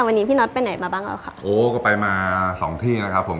วันนี้พี่น็อตไปไหนมาบ้างแล้วค่ะโอ้ก็ไปมาสองที่นะครับผม